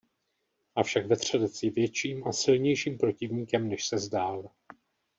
Avšak vetřelec je větším a silnějším protivníkem než se zdál.